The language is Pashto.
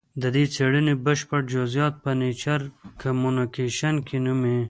د دې څېړنې بشپړ جزیات په نېچر کمونیکشن نومې